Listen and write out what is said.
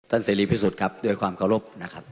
เสรีพิสุทธิ์ครับด้วยความเคารพนะครับ